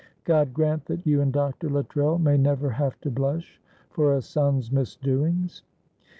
God grant that you and Dr. Luttrell may never have to blush for a son's misdoings."